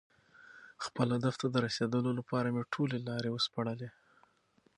خپل هدف ته د رسېدو لپاره مې ټولې لارې وسپړلې.